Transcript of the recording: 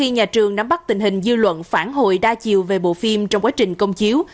nó bắt tình hình dư luận phản hồi đa chiều về bộ phim trong quá trình công chiếu